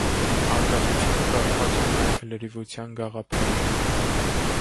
Անկախությունը կապված է նաև լրիվության գաղափարի հետ։